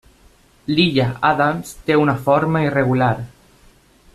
L'illa Adams té una forma irregular.